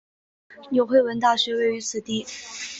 纽黑文大学位于此地。